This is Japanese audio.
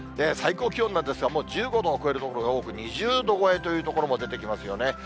最高気温なんですが、もう１５度を超える所が多く、２０度超えという所も出てきますよね。